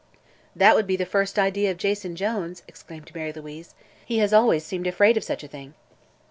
"That would be the first idea of Jason Jones!" exclaimed Mary Louise. "He has always seemed afraid of such a thing."